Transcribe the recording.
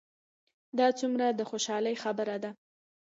دا څومره د خوشحالۍ خبر ده؟